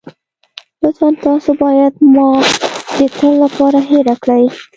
لطفاً تاسو بايد ما د تل لپاره هېره کړئ.